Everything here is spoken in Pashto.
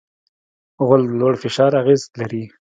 غول د لوړ فشار اغېز لري.